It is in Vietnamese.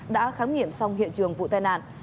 đã khám nghiệm xong hiện trường vụ tai nạn